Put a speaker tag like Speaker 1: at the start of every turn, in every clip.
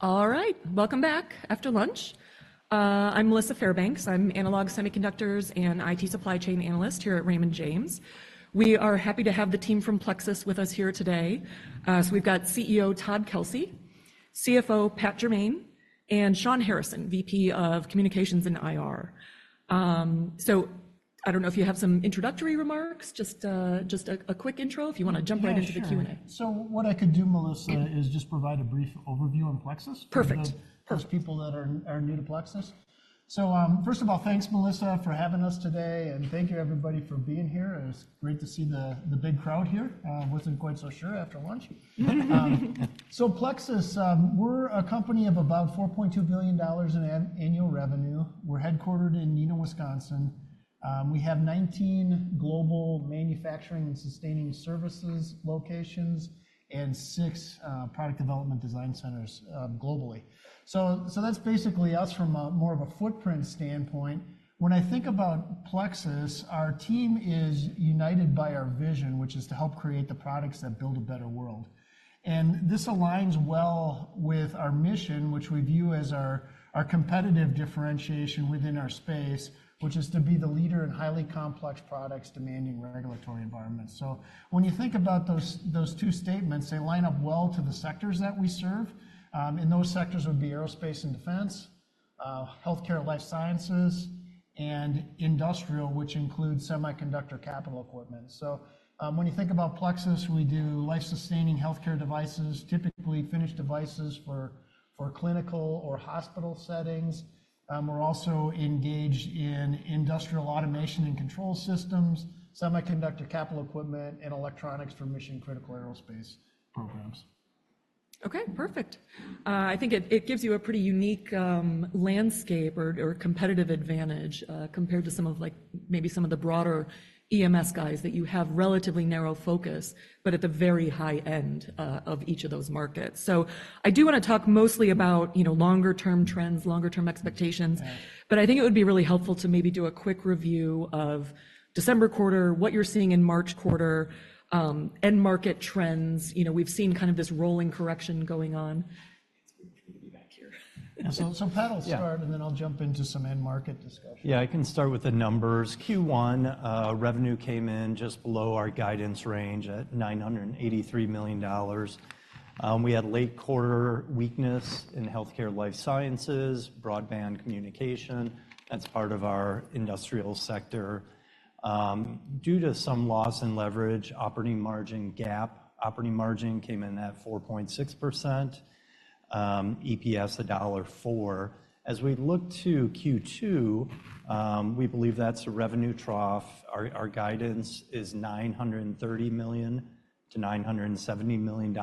Speaker 1: All right, welcome back after lunch. I'm Melissa Fairbanks. I'm analog semiconductors and IT supply chain analyst here at Raymond James. We are happy to have the team from Plexus with us here today. So we've got CEO Todd Kelsey, CFO Pat Jermain, and Shawn Harrison, VP of Communications and IR. So I don't know if you have some introductory remarks, just a quick intro if you want to jump right into the Q&A.
Speaker 2: Yeah, sure. So what I could do, Melissa-
Speaker 1: Mm
Speaker 2: is just provide a brief overview on Plexus.
Speaker 1: Perfect...
Speaker 2: for those people that are new to Plexus. So, first of all, thanks, Melissa, for having us today, and thank you everybody for being here. It's great to see the big crowd here. Wasn't quite so sure after lunch. So Plexus, we're a company of about $4.2 billion in annual revenue. We're headquartered in Neenah, Wisconsin. We have 19 global Manufacturing and Sustaining Services locations and six product development design centers globally. So that's basically us from a more of a footprint standpoint. When I think about Plexus, our team is united by our vision, which is to help create the products that build a better world. This aligns well with our mission, which we view as our competitive differentiation within our space, which is to be the leader in highly complex products demanding regulatory environments. When you think about those two statements, they line up well to the sectors that we serve. Those sectors would be Aerospace / Defense, Healthcare / Life Sciences, and Industrial, which includes Semiconductor Capital Equipment. When you think about Plexus, we do life-sustaining healthcare devices, typically finished devices for clinical or hospital settings. We're also engaged in industrial automation and control systems, Semiconductor Capital Equipment, and electronics for mission-critical aerospace programs.
Speaker 1: Okay, perfect. I think it gives you a pretty unique landscape or competitive advantage compared to some of like, maybe some of the broader EMS guys that you have relatively narrow focus but at the very high end of each of those markets. So I do want to talk mostly about, you know, longer-term trends, longer-term expectations.
Speaker 2: Right.
Speaker 1: But I think it would be really helpful to maybe do a quick review of December quarter, what you're seeing in March quarter, end market trends. You know, we've seen kind of this rolling correction going on.
Speaker 3: It's good for you to be back here.
Speaker 2: So, Pat will start-
Speaker 3: Yeah.
Speaker 2: And then I'll jump into some end market discussion.
Speaker 3: Yeah, I can start with the numbers. Q1 revenue came in just below our guidance range at $983 million. We had late quarter weakness in Healthcare/ Life Sciences, broadband communication, that's part of our Industrial sector. Due to some loss in leverage, operating margin came in at 4.6%, EPS $1.04. As we look to Q2, we believe that's a revenue trough. Our guidance is $930 million-$970 million,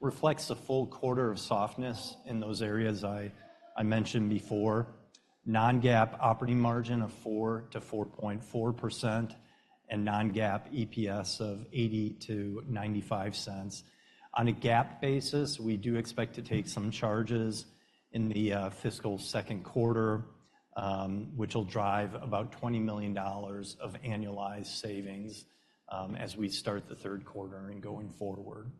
Speaker 3: reflects a full quarter of softness in those areas I mentioned before. Non-GAAP operating margin of 4%-4.4% and non-GAAP EPS of $0.80-$0.95. On a GAAP basis, we do expect to take some charges in the fiscal second quarter, which will drive about $20 million of annualized savings, as we start the third quarter and going forward.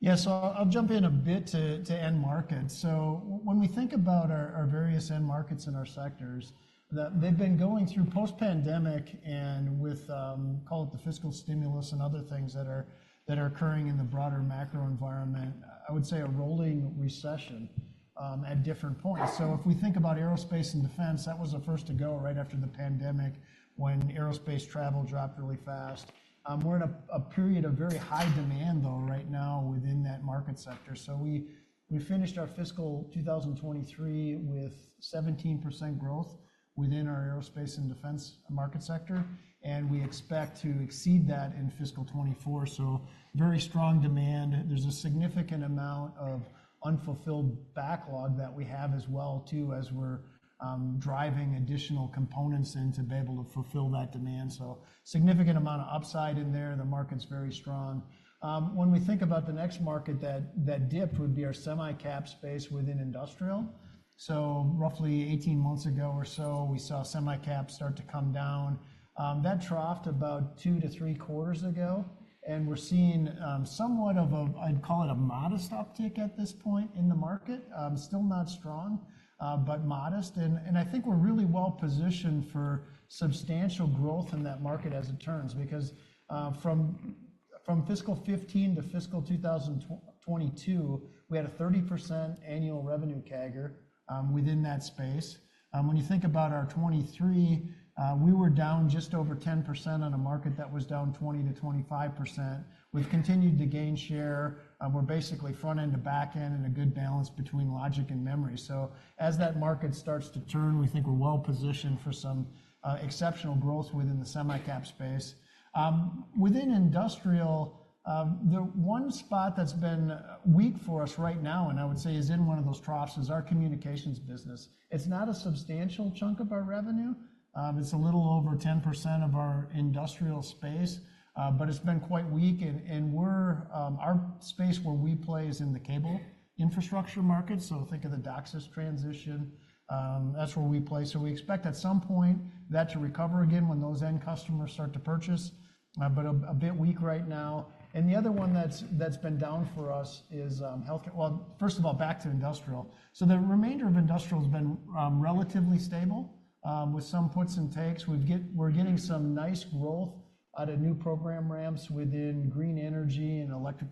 Speaker 2: Yeah, so I'll jump in a bit to end markets. So when we think about our various end markets in our sectors, that they've been going through post-pandemic and with, call it the fiscal stimulus and other things that are occurring in the broader macro environment, I would say a rolling recession at different points. So if we think about Aerospace / Defense, that was the first to go right after the pandemic, when aerospace travel dropped really fast. We're in a period of very high demand, though, right now within that market sector. So we finished our fiscal 2023 with 17% growth within our Aerospace / Defense market sector, and we expect to exceed that in fiscal 2024. So very strong demand. There's a significant amount of unfulfilled backlog that we have as well too, as we're driving additional components in to be able to fulfill that demand. So significant amount of upside in there. The market's very strong. When we think about the next market, that dip would be our semi-cap space within Industrial. So roughly 18 months ago or so, we saw semi-cap start to come down. That troughed about two to three quarters ago, and we're seeing somewhat of a, I'd call it a modest uptick at this point in the market. Still not strong, but modest. And I think we're really well positioned for substantial growth in that market as it turns, because from fiscal 2015 to fiscal 2022, we had a 30% annual revenue CAGR within that space. When you think about our 2023, we were down just over 10% on a market that was down 20%-25%. We've continued to gain share, and we're basically front end to back end and a good balance between logic and memory. So as that market starts to turn, we think we're well positioned for some exceptional growth within the semi-cap space. Within Industrial, the one spot that's been weak for us right now, and I would say is in one of those troughs, is our Communications business. It's not a substantial chunk of our revenue. It's a little over 10% of our Industrial space, but it's been quite weak, and, and we're... Our space where we play is in the cable infrastructure market. So think of the DOCSIS transition, that's where we play. So we expect at some point that to recover again when those end customers start to purchase, but a bit weak right now. And the other one that's been down for us is Healthcare. Well, first of all, back to Industrial. So the remainder of Industrial has been relatively stable with some puts and takes. We're getting some nice growth out of new program ramps within green energy and electric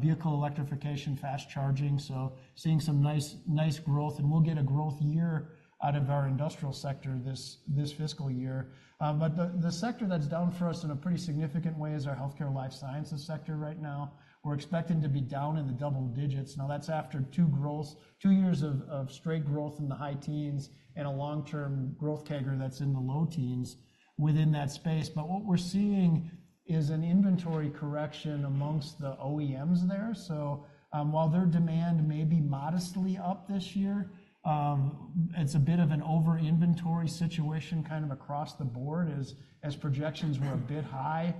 Speaker 2: vehicle electrification, fast charging, so seeing some nice growth, and we'll get a growth year out of our Industrial sector this fiscal year. But the sector that's down for us in a pretty significant way is Healthcare / Life Sciences sector right now. We're expecting to be down in the double digits. Now, that's after two years of straight growth in the high teens and a long-term growth CAGR that's in the low teens within that space. But what we're seeing is an inventory correction amongst the OEMs there. So, while their demand may be modestly up this year, it's a bit of an over-inventory situation kind of across the board, as projections were a bit high,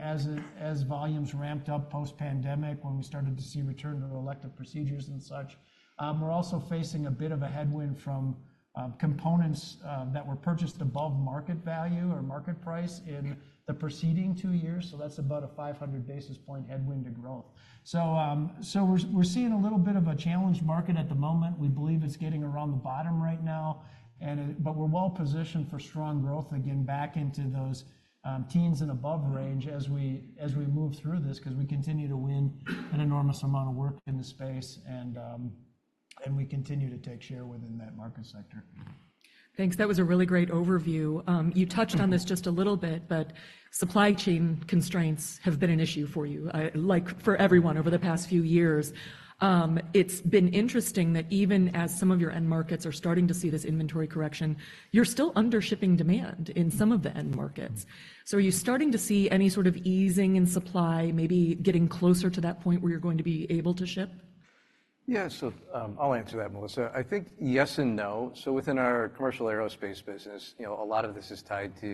Speaker 2: as volumes ramped up post-pandemic when we started to see return to elective procedures and such. We're also facing a bit of a headwind from components that were purchased above market value or market price in the preceding two years, so that's about a 500 basis point headwind to growth. So, we're seeing a little bit of a challenged market at the moment. We believe it's getting around the bottom right now, and it but we're well positioned for strong growth, again, back into those teens and above range as we move through this, 'cause we continue to win an enormous amount of work in the space, and we continue to take share within that market sector.
Speaker 1: Thanks. That was a really great overview. You touched on this just a little bit, but supply chain constraints have been an issue for you, like for everyone over the past few years. It's been interesting that even as some of your end markets are starting to see this inventory correction, you're still under shipping demand in some of the end markets. So are you starting to see any sort of easing in supply, maybe getting closer to that point where you're going to be able to ship?
Speaker 4: Yeah, so, I'll answer that, Melissa. I think yes and no. So within our commercial Aerospace business, you know, a lot of this is tied to,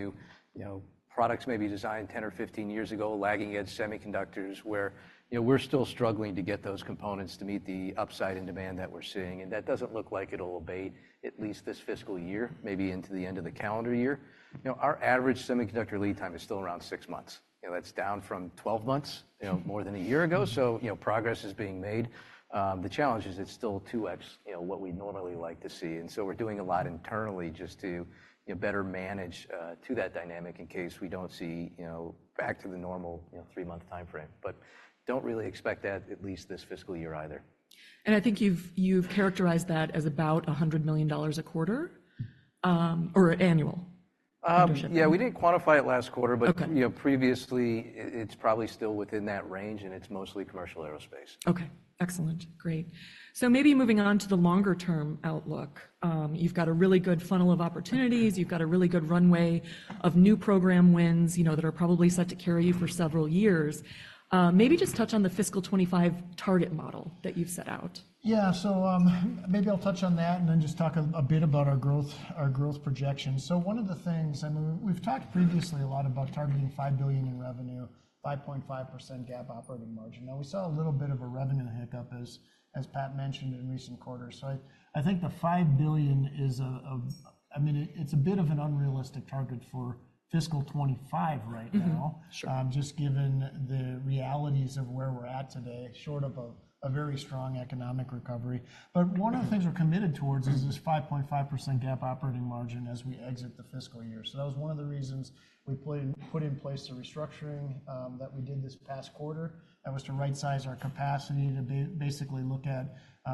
Speaker 4: you know, products maybe designed 10 or 15 years ago, lagging edge semiconductors, where, you know, we're still struggling to get those components to meet the upside in demand that we're seeing, and that doesn't look like it'll abate at least this fiscal year, maybe into the end of the calendar year. You know, our average semiconductor lead time is still around six months. You know, that's down from 12 months, you know, more than a year ago, so, you know, progress is being made. The challenge is it's still 2x, you know, what we'd normally like to see. And so we're doing a lot internally just to, you know, better manage to that dynamic in case we don't see, you know, back to the normal, you know, three-month time frame. But don't really expect that at least this fiscal year either.
Speaker 1: I think you've characterized that as about $100 million a quarter or annual? Under shipping.
Speaker 4: Yeah, we didn't quantify it last quarter-
Speaker 1: Okay...
Speaker 4: but, you know, previously, it's probably still within that range, and it's mostly commercial Aerospace.
Speaker 1: Okay, excellent. Great. So maybe moving on to the longer-term outlook, you've got a really good funnel of opportunities. You've got a really good runway of new program wins, you know, that are probably set to carry you for several years. Maybe just touch on the fiscal 25 target model that you've set out.
Speaker 2: Yeah. So, maybe I'll touch on that and then just talk a bit about our growth, our growth projections. So one of the things... I mean, we've talked previously a lot about targeting $5 billion in revenue, 5.5% GAAP operating margin. Now, we saw a little bit of a revenue hiccup, as Pat mentioned, in recent quarters. So I think the $5 billion is a, I mean, it's a bit of an unrealistic target for fiscal 2025 right now-
Speaker 1: Mm-hmm. Sure...
Speaker 2: just given the realities of where we're at today, short of a very strong economic recovery. But one of the things we're committed towards is this 5.5% GAAP operating margin as we exit the fiscal year. So that was one of the reasons we put in place the restructuring that we did this past quarter. That was to rightsize our capacity to basically look at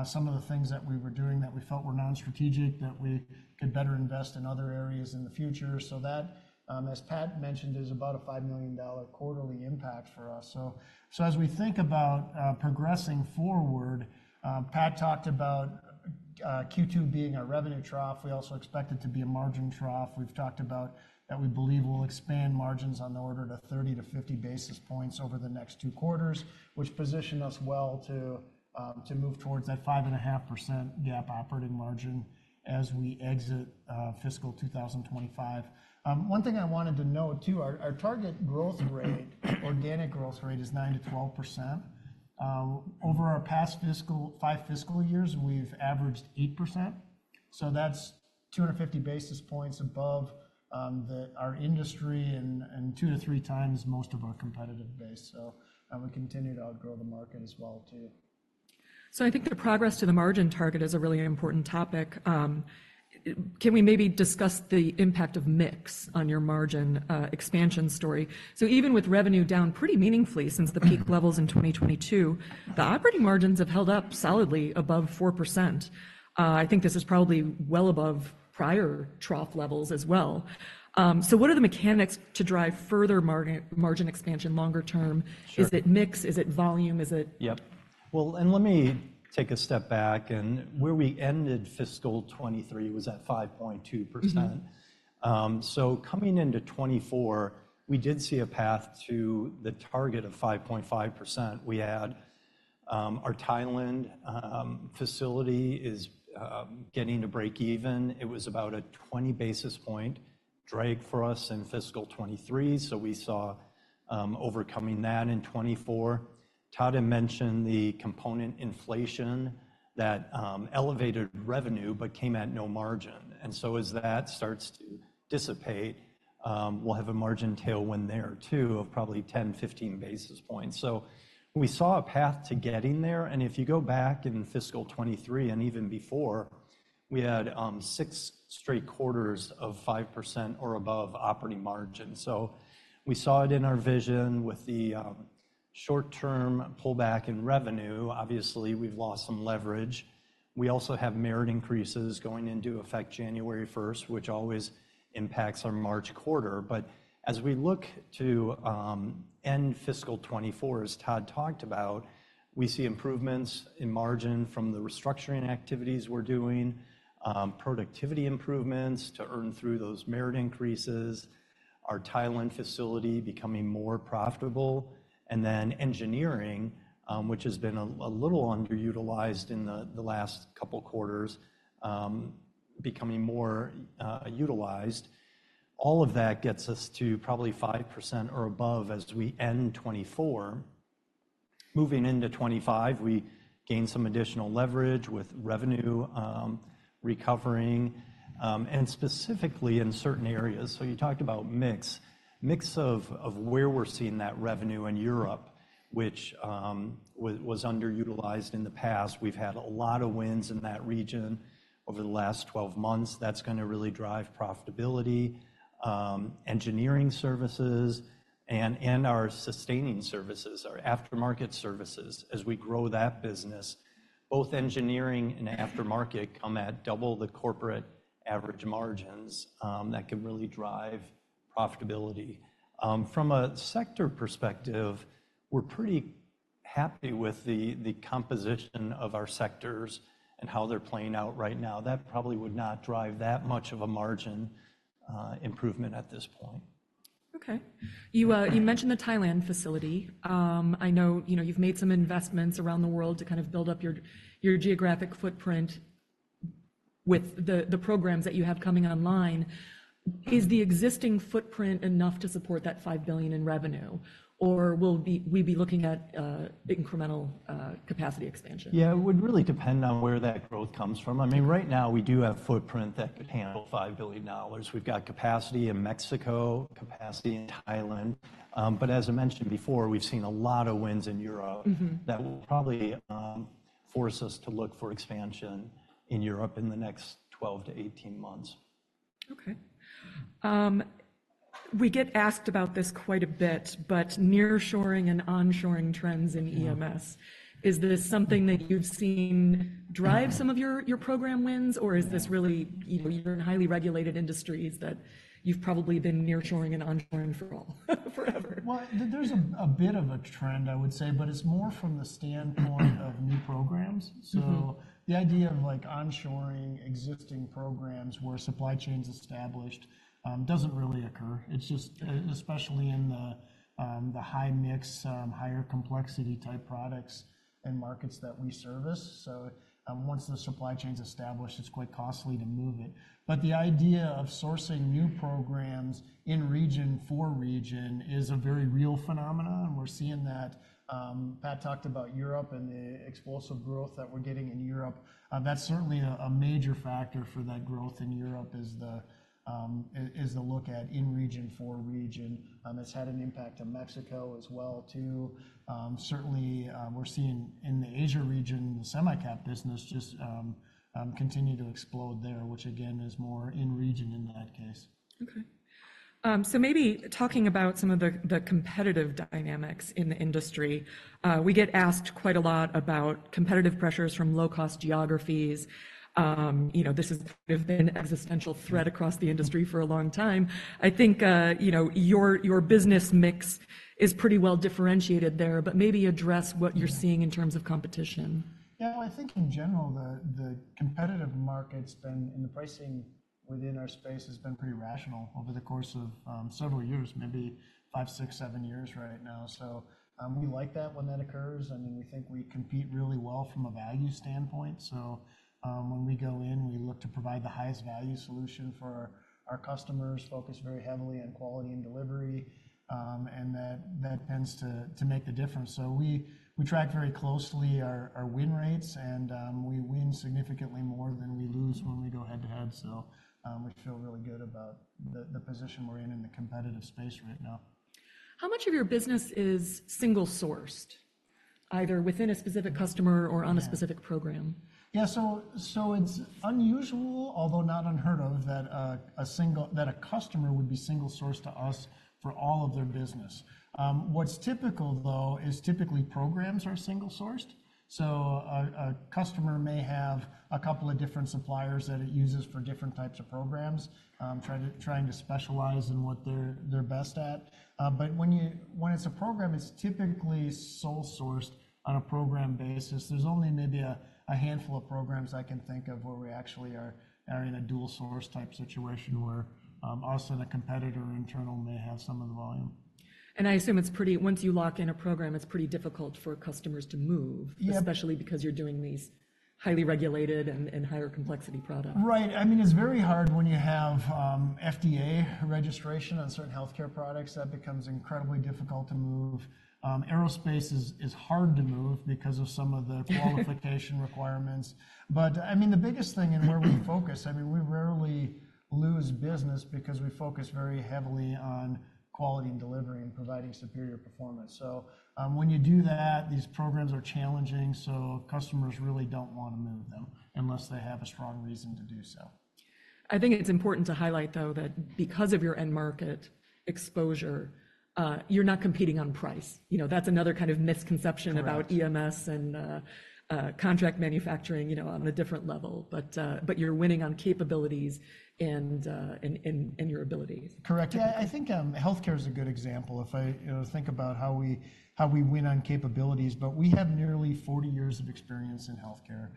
Speaker 2: some of the things that we were doing that we felt were non-strategic, that we could better invest in other areas in the future. So that, as Pat mentioned, is about a $5 million quarterly impact for us. So as we think about progressing forward, Pat talked about Q2 being a revenue trough. We also expect it to be a margin trough. We've talked about that we believe we'll expand margins on the order to 30-50 basis points over the next two quarters, which position us well to move towards that 5.5% GAAP operating margin as we exit fiscal 2025. One thing I wanted to note, too, our target growth rate, organic growth rate, is 9%-12%. Over our past five fiscal years, we've averaged 8%, so that's 250 basis points above our industry and 2x-3x most of our competitive base. So, we continue to outgrow the market as well, too.
Speaker 1: So I think the progress to the margin target is a really important topic. Can we maybe discuss the impact of mix on your margin expansion story? So even with revenue down pretty meaningfully since the peak levels in 2022, the operating margins have held up solidly above 4%. I think this is probably well above prior trough levels as well. So what are the mechanics to drive further margin expansion longer term?
Speaker 2: Sure.
Speaker 1: Is it mix? Is it volume? Is it-
Speaker 3: Yep. Well, let me take a step back, and where we ended fiscal 2023 was at 5.2%.
Speaker 1: Mm-hmm.
Speaker 3: So coming into 2024, we did see a path to the target of 5.5%. We had our Thailand facility is getting to break even. It was about a 20 basis point drag for us in fiscal 2023, so we saw overcoming that in 2024. ... Todd had mentioned the component inflation that elevated revenue but came at no margin. And so as that starts to dissipate, we'll have a margin tailwind there, too, of probably 10-15 basis points. So we saw a path to getting there, and if you go back in fiscal 2023 and even before, we had six straight quarters of 5% or above operating margin. So we saw it in our vision with the short-term pullback in revenue. Obviously, we've lost some leverage. We also have merit increases going into effect January first, which always impacts our March quarter. But as we look to end fiscal 2024, as Todd talked about, we see improvements in margin from the restructuring activities we're doing, productivity improvements to earn through those merit increases, our Thailand facility becoming more profitable, and then engineering, which has been a little underutilized in the last couple quarters, becoming more utilized. All of that gets us to probably 5% or above as we end 2024. Moving into 2025, we gain some additional leverage with revenue recovering, and specifically in certain areas. So you talked about mix. Mix of where we're seeing that revenue in Europe, which was underutilized in the past. We've had a lot of wins in that region over the last 12 months. That's gonna really drive profitability, engineering services, and our Sustaining Services, our Aftermarket Services. As we grow that business, both engineering and Aftermarket come at double the corporate average margins, that can really drive profitability. From a sector perspective, we're pretty happy with the composition of our sectors and how they're playing out right now. That probably would not drive that much of a margin, improvement at this point.
Speaker 1: Okay. You, you mentioned the Thailand facility. I know, you know, you've made some investments around the world to kind of build up your, your geographic footprint with the, the programs that you have coming online. Is the existing footprint enough to support that $5 billion in revenue, or will we be looking at incremental capacity expansion?
Speaker 3: Yeah, it would really depend on where that growth comes from. I mean, right now, we do have footprint that could handle $5 billion. We've got capacity in Mexico, capacity in Thailand, but as I mentioned before, we've seen a lot of wins in Europe-
Speaker 1: Mm-hmm.
Speaker 3: -that will probably force us to look for expansion in Europe in the next 12-18 months.
Speaker 1: Okay. We get asked about this quite a bit, but nearshoring and onshoring trends in EMS-
Speaker 3: Yeah.
Speaker 1: Is this something that you've seen drive some of your program wins?
Speaker 3: Yeah.
Speaker 1: Or is this really, you know, you're in highly regulated industries that you've probably been nearshoring and onshoring for all, forever?
Speaker 2: Well, there's a bit of a trend, I would say, but it's more from the standpoint of new programs.
Speaker 1: Mm-hmm.
Speaker 2: So the idea of, like, onshoring existing programs where supply chain's established, doesn't really occur. It's just, especially in the high mix, higher complexity type products and markets that we service. So, once the supply chain's established, it's quite costly to move it. But the idea of sourcing new programs in region for region is a very real phenomenon. We're seeing that, Pat talked about Europe and the explosive growth that we're getting in Europe. That's certainly a major factor for that growth in Europe, is the look at in region for region. It's had an impact on Mexico as well, too. Certainly, we're seeing in the Asia region, the semi-cap business just continue to explode there, which again, is more in region in that case.
Speaker 1: Okay. So maybe talking about some of the competitive dynamics in the industry. We get asked quite a lot about competitive pressures from low-cost geographies. You know, this has been an existential threat across the industry for a long time. I think, you know, your business mix is pretty well differentiated there, but maybe address what you're seeing in terms of competition.
Speaker 2: Yeah, well, I think in general, the competitive market's been, and the pricing within our space has been pretty rational over the course of several years, maybe five, six, seven years right now. So, we like that when that occurs, and we think we compete really well from a value standpoint. So, when we go in, we look to provide the highest value solution for our customers, focus very heavily on quality and delivery, and that tends to make the difference. So we track very closely our win rates, and we win significantly more than we lose when we go head-to-head. So, we feel really good about the position we're in in the competitive space right now.
Speaker 1: How much of your business is single-sourced, either within a specific customer-
Speaker 2: Yeah.
Speaker 1: or on a specific program?
Speaker 2: Yeah, so it's unusual, although not unheard of, that a customer would be single-sourced to us for all of their business. What's typical, though, is typically programs are single-sourced. So a customer may have a couple of different suppliers that it uses for different types of programs, trying to specialize in what they're best at. But when it's a program, it's typically sole-sourced on a program basis. There's only maybe a handful of programs I can think of where we actually are in a dual source type situation where us and a competitor internal may have some of the volume.
Speaker 1: I assume it's pretty... Once you lock in a program, it's pretty difficult for customers to move.
Speaker 2: Yeah.
Speaker 1: Especially because you're doing highly regulated and higher complexity products.
Speaker 2: Right. I mean, it's very hard when you have FDA registration on certain healthcare products, that becomes incredibly difficult to move. Aerospace is hard to move because of some of the qualification requirements. But, I mean, the biggest thing in where we focus, I mean, we rarely lose business because we focus very heavily on quality and delivery, and providing superior performance. So, when you do that, these programs are challenging, so customers really don't wanna move them unless they have a strong reason to do so.
Speaker 1: I think it's important to highlight, though, that because of your end market exposure, you're not competing on price. You know, that's another kind of misconception-
Speaker 2: Correct.
Speaker 1: about EMS and contract manufacturing, you know, on a different level. But you're winning on capabilities and your abilities.
Speaker 2: Correct. Yeah, I think, Healthcare is a good example. If I, you know, think about how we, how we win on capabilities, but we have nearly 40 years of experience in Healthcare.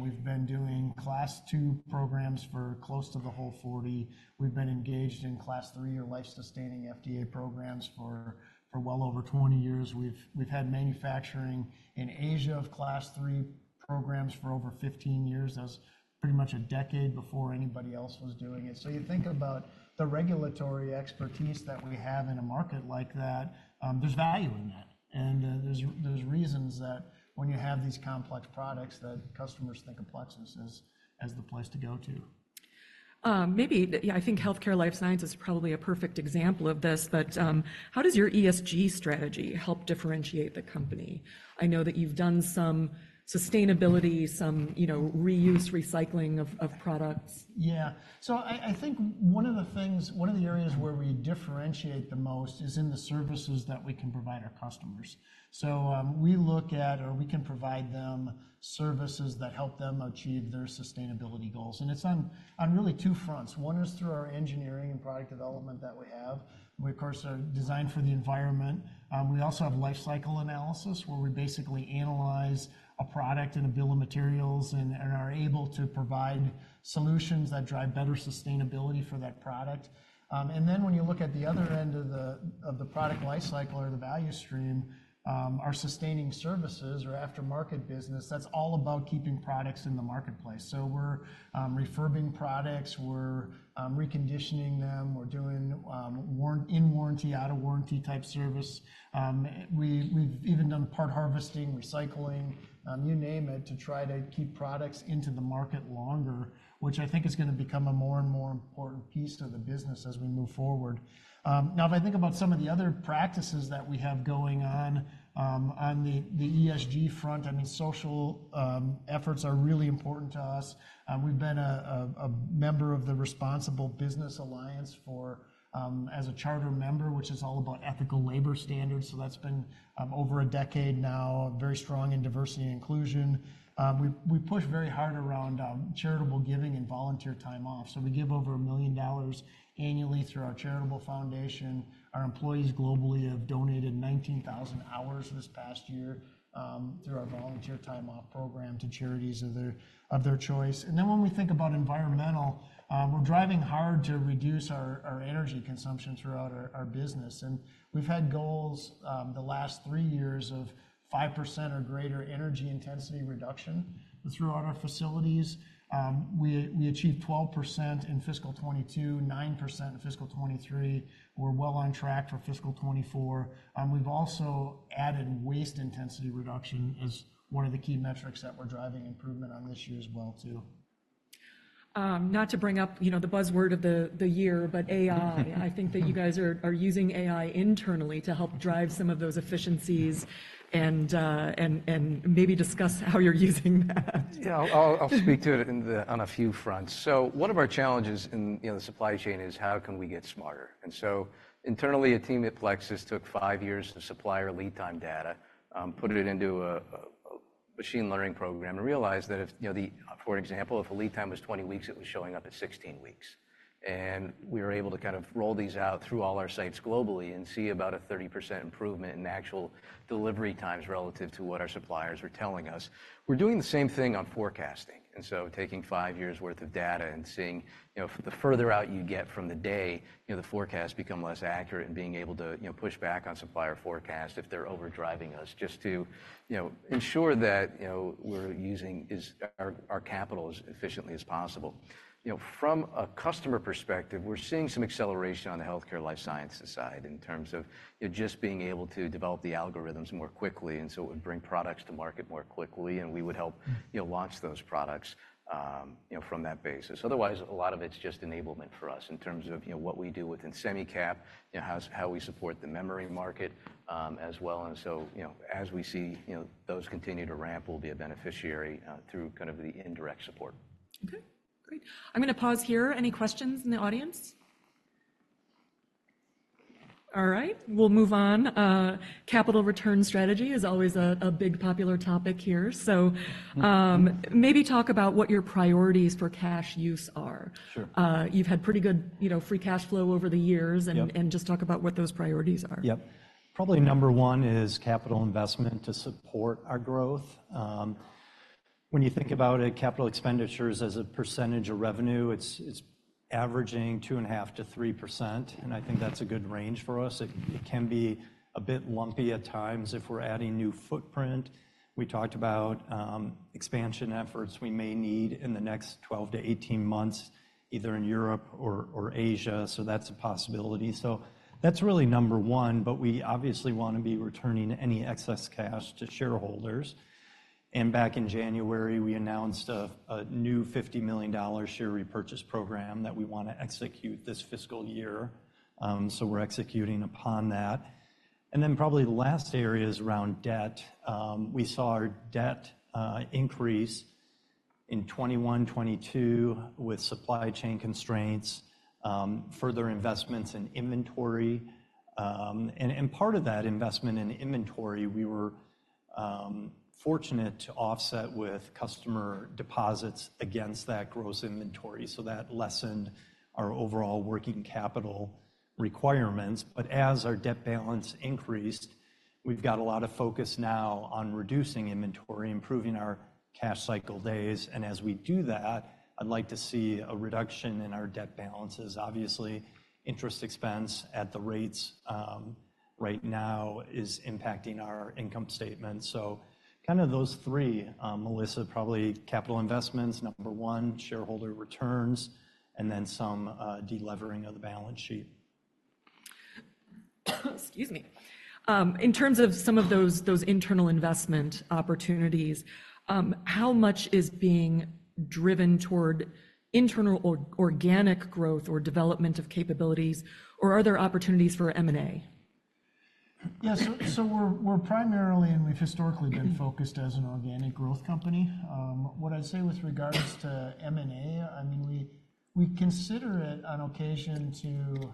Speaker 2: We've been doing Class II programs for close to the whole 40. We've been engaged in Class III or life-sustaining FDA programs for, for well over 20 years. We've, we've had Manufacturing in Asia of Class III programs for over 15 years. That's pretty much a decade before anybody else was doing it. So you think about the regulatory expertise that we have in a market like that, there's value in that, and, there's reasons that when you have these complex products, that customers think of Plexus as, as the place to go to.
Speaker 1: Yeah, I Healthcare / Life Science is probably a perfect example of this, but how does your ESG strategy help differentiate the company? I know that you've done some sustainability, some, you know, reuse, recycling of, of products.
Speaker 2: Yeah. So I, I think one of the areas where we differentiate the most is in the services that we can provide our customers. So, we can provide them services that help them achieve their sustainability goals, and it's on really two fronts. One is through our engineering and Product Development that we have. We, of course, are designed for the environment. We also have life cycle analysis, where we basically analyze a product and a bill of materials, and are able to provide solutions that drive better sustainability for that product. And then when you look at the other end of the product life cycle or the value stream, our Sustaining Services or Aftermarket business, that's all about keeping products in the marketplace. So we're refurbing products, we're reconditioning them, we're doing in-warranty, out-of-warranty type service. We've even done part harvesting, recycling, you name it, to try to keep products into the market longer, which I think is gonna become a more and more important piece to the business as we move forward. Now, if I think about some of the other practices that we have going on, on the ESG front, I mean, social efforts are really important to us. We've been a member of the Responsible Business Alliance for as a charter member, which is all about ethical labor standards, so that's been over a decade now, very strong in diversity and inclusion. We push very hard around charitable giving and volunteer time off. So we give over $1 million annually through our charitable foundation. Our employees globally have donated 19,000 hours this past year through our volunteer time off program to charities of their choice. And then when we think about environmental, we're driving hard to reduce our energy consumption throughout our business, and we've had goals the last three years of 5% or greater energy intensity reduction throughout our facilities. We achieved 12% in fiscal 2022, 9% in fiscal 2023. We're well on track for fiscal 2024. We've also added waste intensity reduction as one of the key metrics that we're driving improvement on this year as well, too.
Speaker 1: Not to bring up, you know, the buzzword of the year, but AI. I think that you guys are using AI internally to help drive some of those efficiencies, and maybe discuss how you're using that.
Speaker 4: Yeah, I'll speak to it in the, on a few fronts. So one of our challenges in, you know, the supply chain is how can we get smarter? And so internally, a team at Plexus took five years of supplier lead time data, put it into a machine learning program, and realized that if, you know, the, for example, if a lead time was 20 weeks, it was showing up as 16 weeks. And we were able to kind of roll these out through all our sites globally and see about a 30% improvement in actual delivery times relative to what our suppliers were telling us. We're doing the same thing on forecasting, and so taking five years worth of data and seeing, you know, the further out you get from the day, you know, the forecasts become less accurate, and being able to, you know, push back on supplier forecast if they're over-driving us, just to, you know, ensure that, you know, we're using our capital as efficiently as possible. You know, from a customer perspective, we're seeing some acceleration on Healthcare / Life Sciences side in terms of, you know, just being able to develop the algorithms more quickly, and so it would bring products to market more quickly, and we would help, you know, launch those products, you know, from that basis. Otherwise, a lot of it's just enablement for us in terms of, you know, what we do within semi-cap, you know, how we support the memory market, as well. And so, you know, as we see, you know, those continue to ramp, we'll be a beneficiary through kind of the indirect support.
Speaker 1: Okay, great. I'm gonna pause here. Any questions in the audience? All right, we'll move on. Capital return strategy is always a big, popular topic here. So-
Speaker 3: Mm-hmm.
Speaker 1: Maybe talk about what your priorities for cash use are?
Speaker 3: Sure.
Speaker 1: You've had pretty good, you know, free cash flow over the years-
Speaker 3: Yep.
Speaker 1: just talk about what those priorities are.
Speaker 3: Yep. Probably number one is capital investment to support our growth. When you think about it, capital expenditures as a percentage of revenue, it's, it's averaging 2.5%-3%, and I think that's a good range for us. It, it can be a bit lumpy at times if we're adding new footprint. We talked about expansion efforts we may need in the next 12-18 months, either in Europe or Asia, so that's a possibility. So that's really number one, but we obviously want to be returning any excess cash to shareholders. And back in January, we announced a new $50 million share repurchase program that we want to execute this fiscal year. So we're executing upon that. And then probably the last area is around debt. We saw our debt increase in 2021, 2022 with supply chain constraints, further investments in inventory. And part of that investment in inventory, we were fortunate to offset with customer deposits against that gross inventory, so that lessened our overall working capital requirements. But as our debt balance increased, we've got a lot of focus now on reducing inventory, improving our cash cycle days, and as we do that, I'd like to see a reduction in our debt balances. Obviously, interest expense at the rates right now is impacting our income statement. So kind of those three, Melissa, probably capital investments, number one, shareholder returns, and then some de-levering of the balance sheet.
Speaker 1: Excuse me. In terms of some of those, those internal investment opportunities, how much is being driven toward internal or organic growth or development of capabilities, or are there opportunities for M&A?
Speaker 2: Yeah, so we're primarily, and we've historically been focused as an organic growth company. What I'd say with regards to M&A, I mean, we consider it on occasion to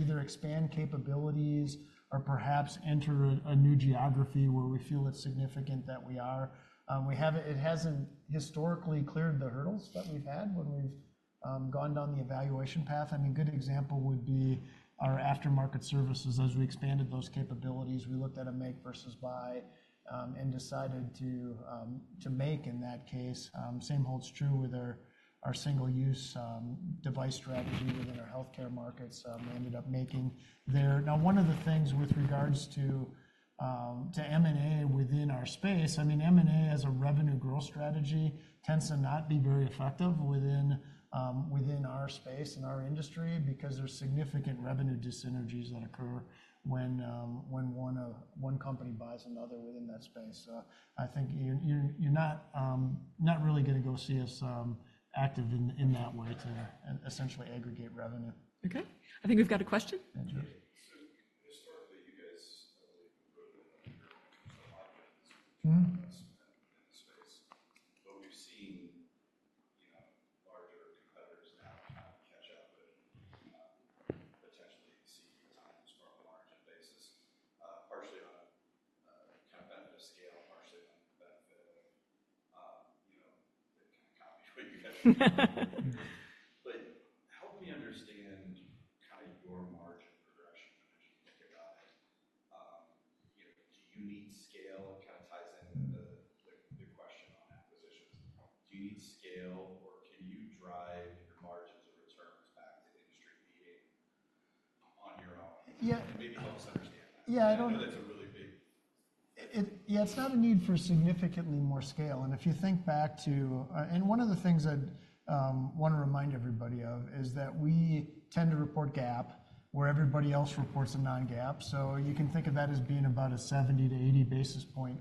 Speaker 2: either expand capabilities or perhaps enter a new geography where we feel it's significant that we are. It hasn't historically cleared the hurdles that we've had when we've gone down the evaluation path. I mean, a good example would be our Aftermarket Services. As we expanded those capabilities, we looked at a make versus buy, and decided to make in that case. Same holds true with our single-use device strategy within our healthcare markets, we ended up making there. Now, one of the things with regards to M&A within our space, I mean, M&A as a revenue growth strategy tends to not be very effective within our space and our industry because there's significant revenue dyssynergies that occur when one company buys another within that space. So I think you're not really gonna go see us active in that way to essentially aggregate revenue.
Speaker 1: Okay. I think we've got a question.
Speaker 2: That's right.
Speaker 5: Historically, you guys probably grown in a year, so a lot of it in this space. But we've seen, you know, larger competitors now kind of catch up and potentially see times from a margin basis, partially on kind of benefit of scale, partially on the benefit of, you know, kind of copy what you guys- But help me understand kind of your margin progression, you know, do you need scale, kind of ties into the question on acquisitions. Do you need scale, or can you drive your margins or returns back to industry-leading on your own?
Speaker 2: Yeah.
Speaker 5: Maybe help us understand that.
Speaker 2: Yeah, I don't-
Speaker 5: I know that's a really big-
Speaker 2: Yeah, it's not a need for significantly more scale. And if you think back to, and one of the things I'd want to remind everybody of is that we tend to report GAAP where everybody else reports a non-GAAP. So you can think of that as being about a 70-80 basis point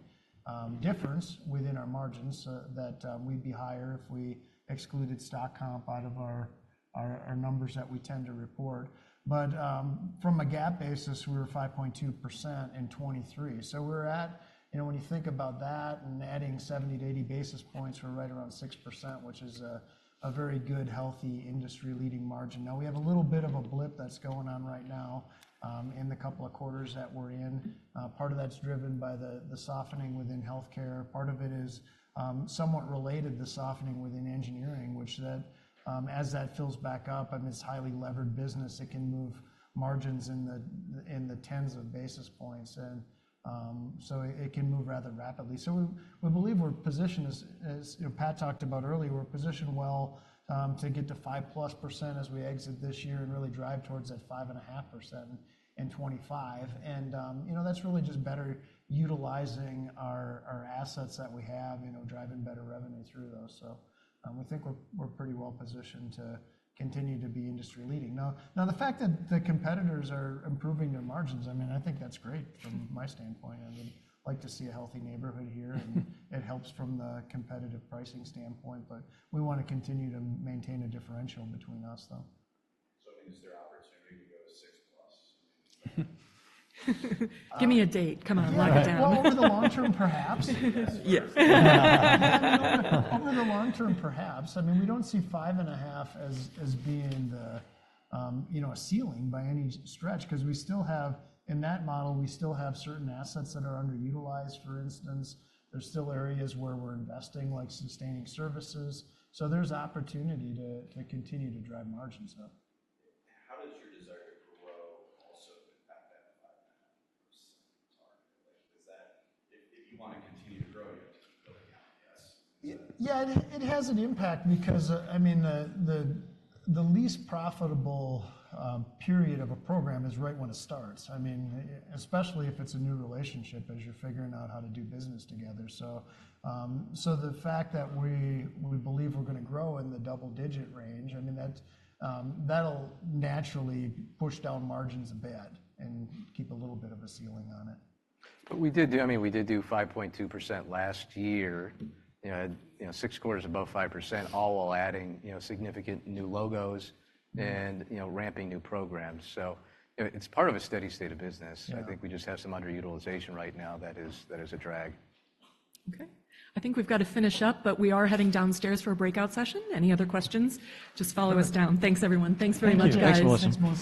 Speaker 2: difference within our margins that we'd be higher if we excluded stock comp out of our numbers that we tend to report. But, from a GAAP basis, we were 5.2% in 2023. So we're at... You know, when you think about that and adding 70-80 basis points, we're right around 6%, which is a very good, healthy industry-leading margin. Now, we have a little bit of a blip that's going on right now, in the couple of quarters that we're in. Part of that's driven by the softening within Healthcare. Part of it is somewhat related to softening within engineering, which, as that fills back up and it's highly levered business, it can move margins in the tens of basis points, and so it can move rather rapidly. So we believe we're positioned, as you know, Pat talked about earlier, we're positioned well, to get to 5%+ as we exit this year and really drive towards that 5.5% in 2025. And you know, that's really just better utilizing our assets that we have, you know, driving better revenue through those. So, we think we're pretty well positioned to continue to be industry leading. Now, the fact that the competitors are improving their margins, I mean, I think that's great from my standpoint. I mean, like to see a healthy neighborhood here, and it helps from the competitive pricing standpoint, but we want to continue to maintain a differential between us, though.
Speaker 5: I mean, is there opportunity to go 6%+?
Speaker 1: Give me a date. Come on, lock it down.
Speaker 2: Well, over the long term, perhaps.
Speaker 1: Yes.
Speaker 2: Over the long term, perhaps. I mean, we don't see 5.5% as being the, you know, a ceiling by any stretch, 'cause in that model, we still have certain assets that are underutilized, for instance. There's still areas where we're investing, like Sustaining Services, so there's opportunity to continue to drive margins up.
Speaker 5: How does your desire to grow also impact that 5% target? Like, is that... If, if you want to continue to grow, you're going down, I guess.
Speaker 2: Yeah, it has an impact because, I mean, the least profitable period of a program is right when it starts. I mean, especially if it's a new relationship, as you're figuring out how to do business together. So, the fact that we believe we're gonna grow in the double-digit range, I mean, that'll naturally push down margins a bit and keep a little bit of a ceiling on it.
Speaker 3: But we did do, I mean, we did do 5.2% last year, you know, six quarters above 5%, all while adding, you know, significant new logos-
Speaker 2: Mm-hmm.
Speaker 3: You know, ramping new programs. So, you know, it's part of a steady state of business.
Speaker 2: Yeah.
Speaker 3: I think we just have some underutilization right now that is, that is a drag.
Speaker 1: Okay. I think we've got to finish up, but we are heading downstairs for a breakout session. Any other questions? Just follow us down. Thanks, everyone. Thanks very much, guys.
Speaker 2: Thank you.
Speaker 3: Thanks, Melissa.
Speaker 4: Thanks, Melissa.